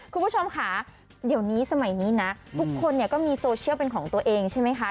คุณผู้ชมค่ะเดี๋ยวนี้สมัยนี้นะทุกคนเนี่ยก็มีโซเชียลเป็นของตัวเองใช่ไหมคะ